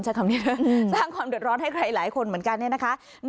สร้างความเดือดร้อนให้หลายคนเหมือนกัน